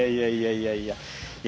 いやいやいや。